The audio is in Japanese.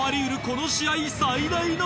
この試合。